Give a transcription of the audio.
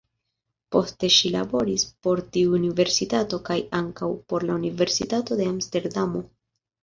Poste ŝi laboris por tiu universitato kaj ankaŭ por la Universitato de Amsterdamo.